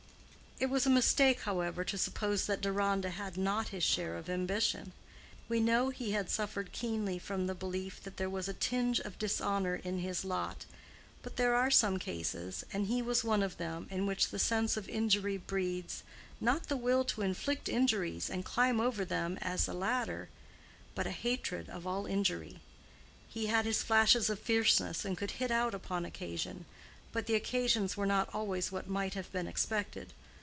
It was a mistake, however, to suppose that Deronda had not his share of ambition. We know he had suffered keenly from the belief that there was a tinge of dishonor in his lot; but there are some cases, and his was one of them, in which the sense of injury breeds—not the will to inflict injuries and climb over them as a ladder, but, a hatred of all injury. He had his flashes of fierceness and could hit out upon occasion, but the occasions were not always what might have been expected.